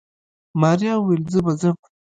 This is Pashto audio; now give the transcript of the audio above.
ماريا وويل زه به ځم.